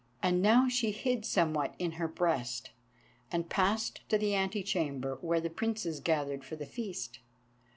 And now she hid somewhat in her breast, and passed to the ante chamber, where the Princes gathered for the feast.